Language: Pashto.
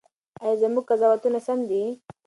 ایا زموږ قضاوتونه سم دي؟